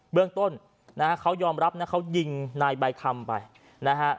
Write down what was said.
เรื่องต้นนะฮะเขายอมรับนะเขายิงนายใบคำไปนะฮะ